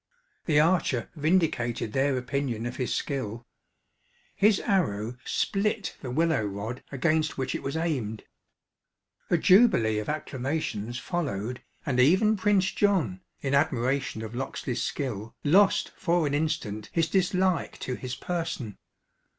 The archer vindicated their opinion of his skill: his arrow split the willow rod against which it was aimed. A jubilee of acclamations followed; and even Prince John, in admiration of Locksley's skill, lost for an instant his dislike to his person.